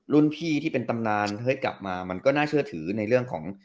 รุ่นพี่ที่เป็นตำนานเฮ้ยกลับมามันก็น่าเชื่อถือในเรื่องของ